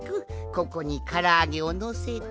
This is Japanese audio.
ここにからあげをのせて。